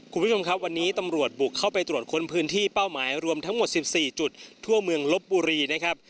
คุณผู้ชมครับวันนี้ตำรวจบุกเข้าไปตรวจค้นพื้นที่เป้าหมายรวมทั้งหมด๑๔จุดทั่วเมืองลบบุรีนะครับ